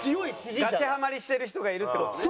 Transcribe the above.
ガチハマりしてる人がいるって事ね。